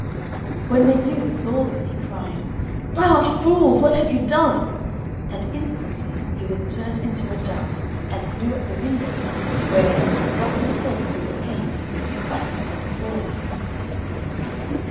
When the youth saw this, he cried, "Ah, fools, what have you done!" and instantly he was turned into a dove and flew at the window, where, as he struck his head through the panes, he cut himself sorely.